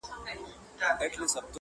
دا دلیل د امتیاز نه سي کېدلای؛